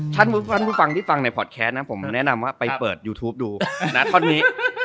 ท่านผู้ฟังที่ฟังในพอร์ตแคสนะผมแนะนำว่าไปเปิดยูทูปดูนะท่อนนี้